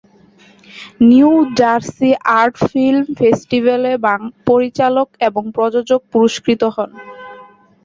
New Jersey art film ফেস্টিভ্যালে পরিচালক এবং প্রযোজক পুরষ্কৃত হন।